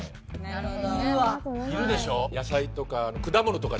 なるほど。